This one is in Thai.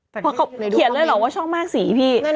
เพราะเขาเขียนเลยเหรอว่าช่องมากสีพี่